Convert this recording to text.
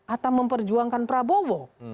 atau memperjuangkan prabowo